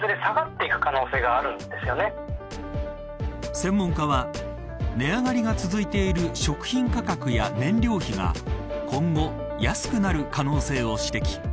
専門家は値上がりが続いている食品価格や燃料費が今後、安くなる可能性を指摘。